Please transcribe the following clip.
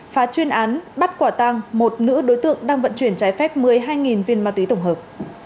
phá chuyên án bắt quả tăng một nữ đối tượng đang vận chuyển trái phép một mươi hai viên ma túy tổng hợp